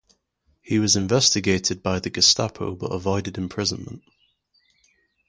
He was investigated by the Gestapo but avoided imprisonment.